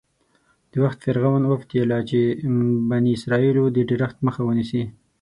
د وخت فرعون وپتېیله چې د بني اسرایلو د ډېرښت مخه ونیسي.